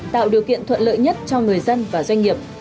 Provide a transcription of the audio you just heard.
tạo điều kiện thuận lợi nhất cho người dân và doanh nghiệp